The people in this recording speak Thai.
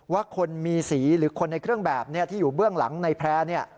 ว่าคนมีสีหรือคนในเครื่องแบบที่อยู่เบื้องหลังในแพร่